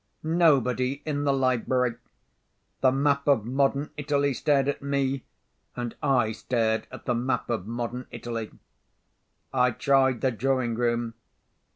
Nobody in the library! The map of Modern Italy stared at me; and I stared at the map of Modern Italy. I tried the drawing room.